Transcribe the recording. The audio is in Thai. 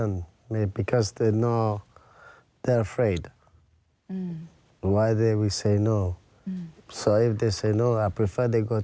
ผมจะไม่อยากอยู่ด้วยคุณฉันอยากอยู่ด้วยคุณ